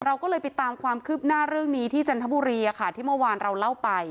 เราก็เลยไปตามความคืบหน้าเรื่องนี้ที่จันทบุรีที่เมื่อวานเราเล่าไป